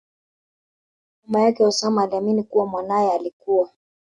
mama yake Osama aliamini kuwa mwanaye alikua